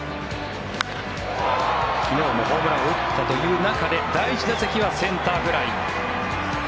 昨日もホームランを打ったという中で第１打席はセンターフライ。